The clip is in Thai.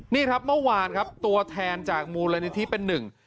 นี่ครับเมื่อวานครับตัวแทนจากมูลนิธิเป็นหนึ่ง